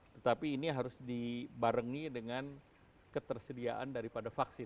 tetapi ini harus dibarengi dengan ketersediaan daripada vaksin